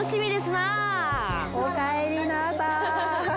おかえりなさい。